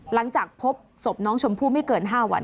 หลังจากพบศพน้องชมพู่ไม่เกิน๕วัน